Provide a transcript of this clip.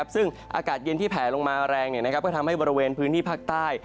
ซึ่งอากาศเย็นที่แผลลงมาแรงก็ทำให้บริเวณพื้นที่ภาคใต้